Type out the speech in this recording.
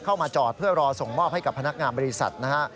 เข้ามาจอดเพื่อรอส่งมอบให้กับพนักงานบริษัทนะฮะ